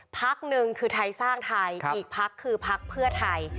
พักหนึ่งคือไทยสร้างไทยอีกพักคือพักเพื่อไทย